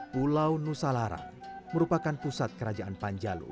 pulau nusa larang merupakan pusat kerajaan panjalu